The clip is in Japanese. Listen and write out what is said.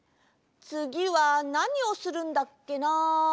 つぎはなにをするんだっけな？